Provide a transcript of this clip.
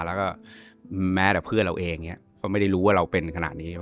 แล้วก็แม้แต่เพื่อนเราเองก็ไม่ได้รู้ว่าเราเป็นขนาดนี้